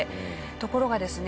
ところがですね